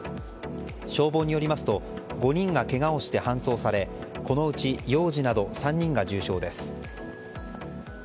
消防によりますと５人がけがをして搬送されこのうち幼児など３人が重傷です。